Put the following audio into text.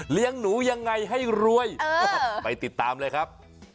หนูยังไงให้รวยไปติดตามเลยครับ